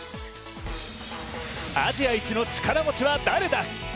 アジアいちの力持ちは誰だ！？